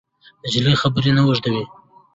نجلۍ خبرې نه اوږدوي.